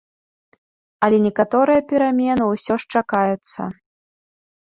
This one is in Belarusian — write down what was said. Але некаторыя перамены ўсё ж чакаюцца.